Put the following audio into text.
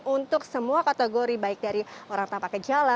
untuk semua kategori baik dari orang tanpa gejala